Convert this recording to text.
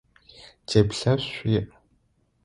Теплъэшӏу иӏ.